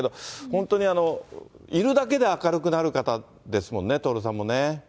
本当に、いるだけで明るくなる方ですもんね、徹さんもね。